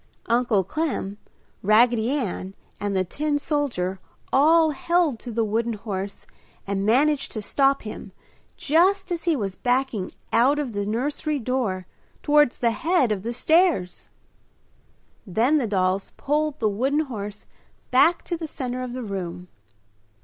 Uncle Clem, Raggedy Ann, and the tin soldier all held to the wooden horse and managed to stop him just as he was backing out of the nursery door towards the head of the stairs. Then the dolls pulled the wooden horse back to the center of the room.